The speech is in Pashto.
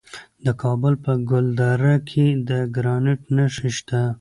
د کابل په ګلدره کې د ګرانیټ نښې شته.